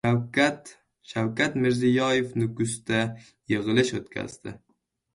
Shavkat Mirziyoyev Nukusda yig‘ilish o‘tkazdi